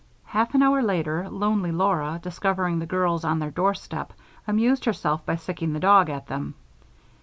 Half an hour later, lonely Laura, discovering the girls on their doorstep, amused herself by sicking the dog at them.